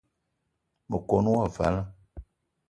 Me kon wo vala